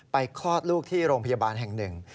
คลอดลูกที่โรงพยาบาลแห่งหนึ่ง